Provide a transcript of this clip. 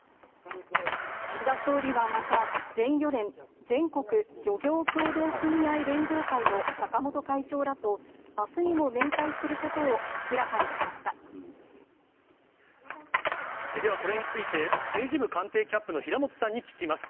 岸田総理はまた、全漁連・全国漁業協同組合連合会のさかもと会長らと、あすにも面では、これについて、政治部官邸キャップの平本さんに聞きます。